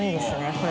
これ。